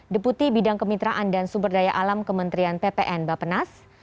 deputi bidang kemitraan dan sumberdaya alam kementerian ppn bapenas